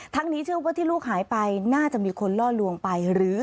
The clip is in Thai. นี้เชื่อว่าที่ลูกหายไปน่าจะมีคนล่อลวงไปหรือ